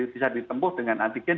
bisa ditempuh dengan antigen